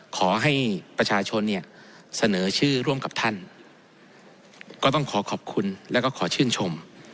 ขอให้ประชาชนเนี่ยเสนอชื่อร่วมกับท่านก็ต้องขอขอบคุณแล้วก็ขอชื่นชม